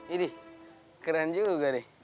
ini keren juga nih